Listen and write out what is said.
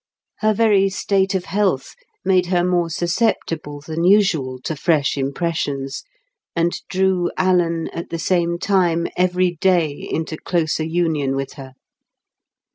Her very state of health made her more susceptible than usual to fresh impressions, and drew Alan at the same time every day into closer union with her.